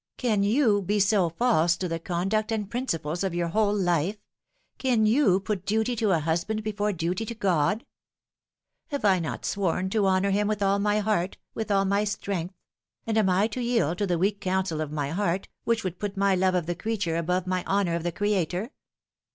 " Can you be so false to the conduct and principles of your whole life can you put duty to a husband before duty to G od ? Have I not sworn to honour Him with all my heart, with all my strength ? and am I to yield to the weak counsel of my heart, which would put my love of the creature above my honour of the Creator